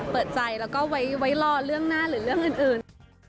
เปิดใจแล้วก็ไว้รอเรื่องหน้าหรือเรื่องอื่น